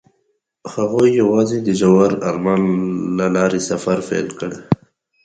هغوی یوځای د ژور آرمان له لارې سفر پیل کړ.